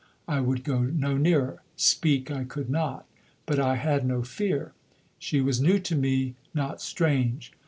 I would go no nearer, speak I could not. But I had no fear. She was new to me not strange.